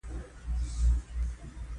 انګور د افغانانو د فرهنګي پیژندنې برخه ده.